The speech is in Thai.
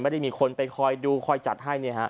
ไม่ได้มีคนไปคอยดูคอยจัดให้